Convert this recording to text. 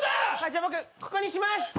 じゃあ僕ここにします！